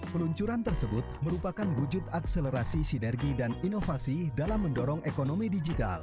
peluncuran tersebut merupakan wujud akselerasi sinergi dan inovasi dalam mendorong ekonomi digital